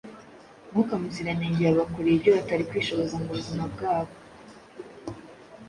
Mwuka Muziranenge yabakoreye ibyo batari kwishoboza mu buzima bwabo.